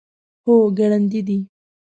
هو، ګړندی دی